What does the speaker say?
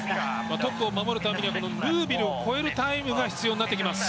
トップを守るためにはヌービルを超えるタイムが必要になってきます。